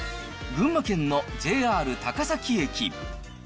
群馬県のＪＲ高崎駅。